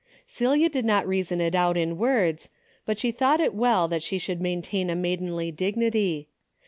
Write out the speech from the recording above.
Celia did not reason it out in Avords, but she thought it well that she should maintain a maidenly dignity.